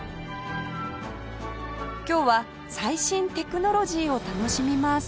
今日は最新テクノロジーを楽しみます